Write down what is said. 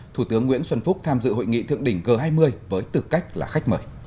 thủ tướng nguyễn xuân phúc tham dự hội nghị thượng đỉnh g hai mươi với tư cách là khách mời